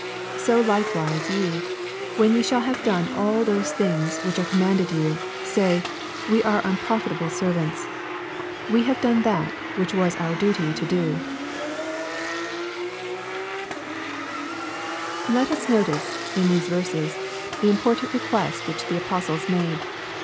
10 So likewise ye, when ve shall have done all those things which are commanded yon, say, We arc unpro fitable servants : we have done tliat which was our duty U <a. 10* 226 EXPOSITORY THOUGHTS. Let us notice, in these verses, the important requeH which the apostles made.